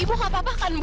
ibu gak apa apa kan bu